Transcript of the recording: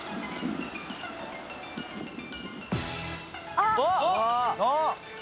あっ！